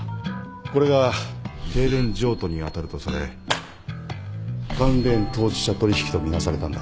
これが低廉譲渡に当たるとされ関連当事者取引と見なされたんだ。